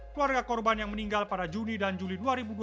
keluarga korban yang meninggal pada juni dan juli dua ribu dua puluh